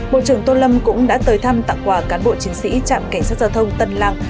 bộ trưởng tô lâm cũng đã tới thăm tặng quà cán bộ chiến sĩ trạm cảnh sát giao thông tân lăng